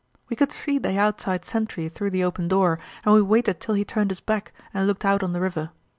We could see the outside sentry through the open door, and we waited till he turned his back and looked out on the river.